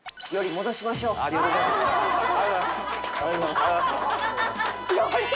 ありがとうございます。